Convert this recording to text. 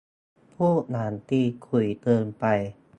พูดอย่างตีขลุมเกินไป